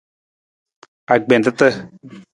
Agbentata.